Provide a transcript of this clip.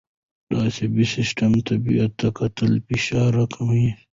د عصبي سیستم طبیعت ته کتل فشار راکموي.